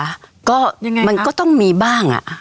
ค่ะก็มันก็ต้องมีบ้าง